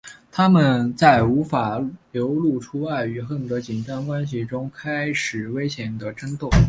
他们在无法流露出爱与恨的紧张关系中开始危险的争斗。